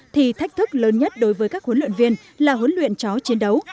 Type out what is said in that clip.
thì thách thức lớn nhất đối với các huấn luyện viên là huấn luyện chó chiến đấu